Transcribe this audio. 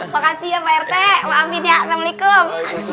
makasih ya pak rt maafin ya assalamualaikum